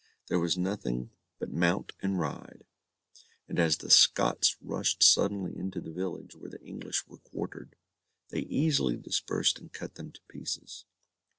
There was nothing but mount and ride; and as the Scots rushed suddenly into the village where the English were quartered, they easily dispersed and cut them to pieces.